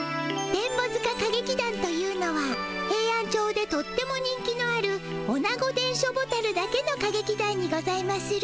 電ボ塚歌劇団というのはヘイアンチョウでとっても人気のあるオナゴ電書ボタルだけの歌劇団にございまする。